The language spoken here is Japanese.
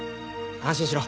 安心しろ。